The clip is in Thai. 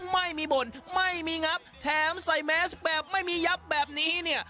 ไม่มีบ่นไม่มีงับแถมใส่แมสแบบไม่มียับแบบนี้เนี่ย